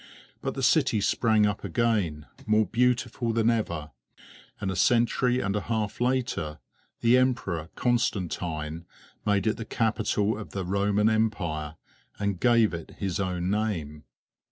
But the city sprang up again, more beautiful than ever, and a century and a half later the emperor Constantine made it the capital of the Roman Empire, and gave it his own name.